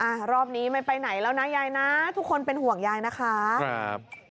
รอบนี้ไม่ไปไหนแล้วนะยายนะทุกคนเป็นห่วงยายนะคะครับ